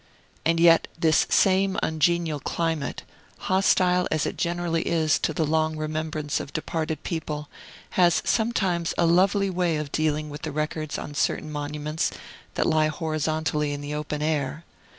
And yet this same ungenial climate, hostile as it generally is to the long remembrance of departed people, has sometimes a lovely way of dealing with the records on certain monuments that lie horizontally in the open air.